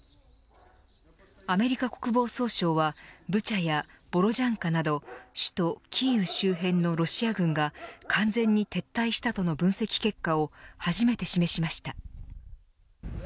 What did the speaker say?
アメリカ国防総省はブチャやボロジャンカなど首都キーウ周辺のロシア軍が完全に撤退したとの分析結果を初めて示しました。